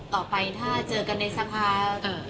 ต่อไปถ้าเจอกันในสภา